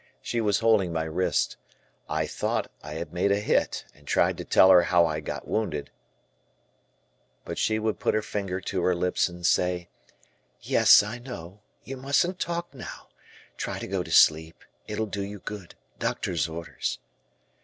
She was holding my wrist; I thought. I had made a hit, and tried to tell her how I got wounded, but she would put her finger to her lips and say, "Yes, I know, but you mustn't talk now, try to go to sleep, it'll do you good, doctor's orders."